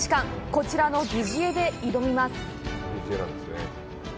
こちらの擬似餌で挑みます！